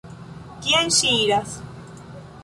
Kien ŝi iras?